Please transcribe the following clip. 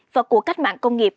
và cuộc cách mạng công nghiệp bốn